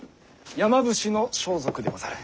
山伏の装束でござる。